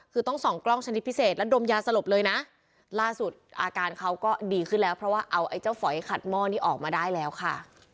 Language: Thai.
คือต้องส่องกล้องชนิดพิเศษแล้วดมยาสลบเลยนะล่าสุดอาการเขาก็ดีขึ้นแล้วเพราะว่าเอาไอ้เจ้าฝอยขัดหม้อนี้ออกมาได้แล้วค่ะ